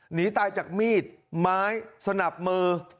หนีตายจากมีดไม้สนับมือ